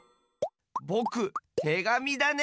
ぼくてがみだね！